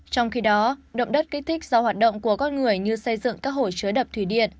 trong khi đó động đất kích thích do hoạt động của con người như xây dựng các hồ chứa đập thủy điện